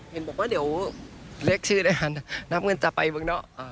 เห็นบอกว่าเดี๋ยวเรียกชื่อได้ทันนับเงินจะไปเมืองนอก